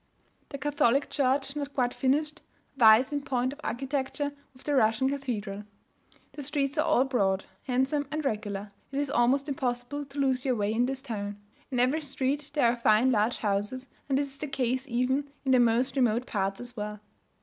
The Catholic church, not yet quite finished, vies in point of architecture with the Russian cathedral. The streets are all broad, handsome, and regular, it is almost impossible to lose your way in this town. In every street there are fine large houses, and this is the case even in the most remote parts as well.